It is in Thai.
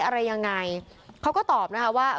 อะไรยังไงเขาก็ตอบนะคะว่า